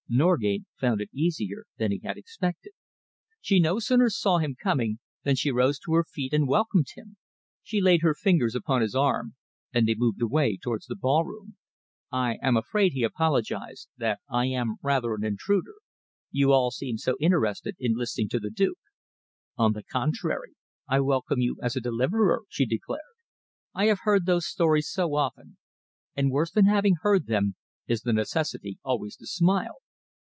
Norgate found it easier than he had expected. She no sooner saw him coming than she rose to her feet and welcomed him. She laid her fingers upon his arm, and they moved away towards the ballroom. "I am afraid," he apologised, "that I am rather an intruder. You all seemed so interested in listening to the Duke." "On the contrary, I welcome you as a deliverer," she declared. "I have heard those stories so often, and worse than having heard them is the necessity always to smile.